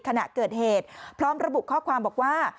ขณะเกิดเหตุพร้อมระบุข้อความบอกว่า